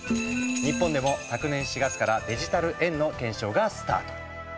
日本でも昨年４月からデジタル円の検証がスタート。